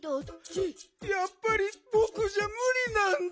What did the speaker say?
やっぱりぼくじゃむりなんだ。